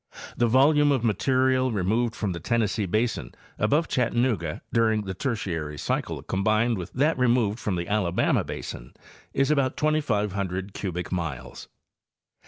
The volume of material remoyed from the Tennessee basin above Chattanooga during the Tertiary cycle combined with that removed from the Alabama basin is about 2,500 cubic miles.